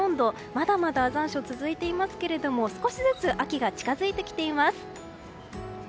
まだまだ残暑が続いていますけど少しずつ秋が近づいてきています。